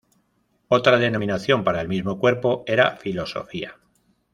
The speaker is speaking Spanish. Otra denominación para el mismo cuerpo era Filosofía.